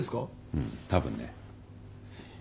うん多分ね。